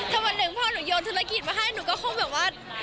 ถ้าวันหนึ่งพ่อหนูโยนธุรกิจมาให้หนูก็คงแบบว่า